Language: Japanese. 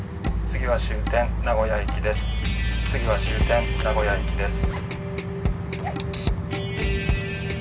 次は終点名古屋駅です。